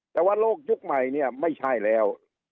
แต่ว่าโลกยุคใหม่เนี่ยไม่ใช่แล้ว